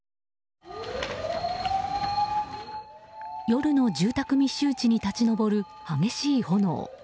夜の住宅密集地に立ち上る激しい炎。